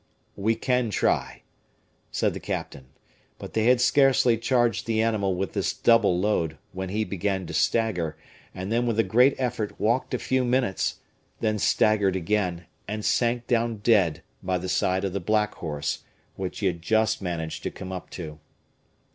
"We can try," said the captain. But they had scarcely charged the animal with this double load, when he began to stagger, and then with a great effort walked a few minutes, then staggered again, and sank down dead by the side of the black horse, which he had just managed to come up to.